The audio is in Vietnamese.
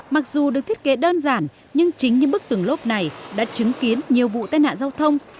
mặc dù được thiết kế đơn giản nhưng chính những bức tường lốp này đã chứng kiến nhiều vụ tai nạn giao thông